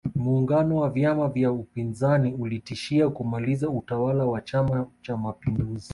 muungano wa vyama vya upinzani ulitishia kumaliza utawala wa chama cha mapinduzi